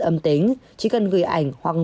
âm tính chỉ cần gửi ảnh hoặc